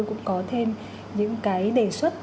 cũng có thêm những cái đề xuất